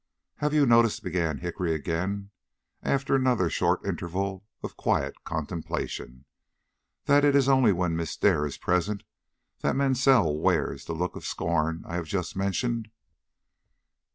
"Have you noticed," began Hickory again, after another short interval of quiet contemplation, "that it is only when Miss Dare is present that Mansell wears the look of scorn I have just mentioned."